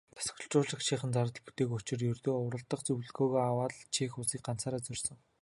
Дасгалжуулагчийнх нь зардал бүтээгүй учир ердөө уралдах зөвлөгөөгөө аваад л Чех улсыг ганцаараа зорьсон.